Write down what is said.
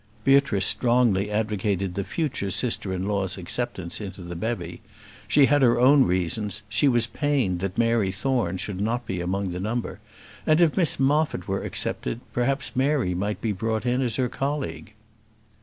Beatrice strongly advocated the future sister in law's acceptance into the bevy; she had her own reasons; she was pained that Mary Thorne should not be among the number, and if Miss Moffat were accepted, perhaps Mary might be brought in as her colleague.